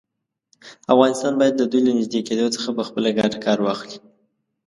افغانستان باید د دوی له نږدې کېدو څخه په خپله ګټه کار واخلي.